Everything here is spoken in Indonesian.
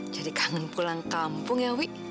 jadi kangen pulang kampung ya wi